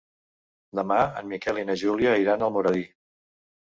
Demà en Miquel i na Júlia iran a Almoradí.